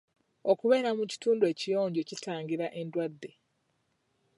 Okubeera mu kitundu ekiyonjo kitangira endwadde.